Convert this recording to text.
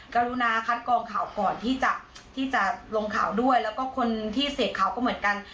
กรุณาคัดกองข่าวก่อนที่จะลงข่าวด้วยแล้วก็คนที่เสพข่าวก็เหมือนกัน